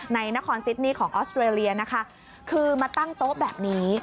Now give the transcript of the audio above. ในนครซิดนี่ของออสเตรเลียนะคะคือมาตั้งโต๊ะแบบนี้